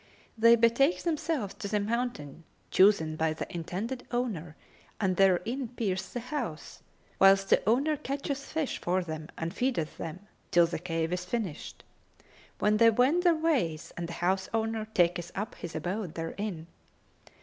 They betake themselves to the mountain chosen by the intended owner and therein pierce the house, whilst the owner catcheth fish for them and feedeth them, till the cave is finished, when they wend their ways and the house owner taketh up his abode therein.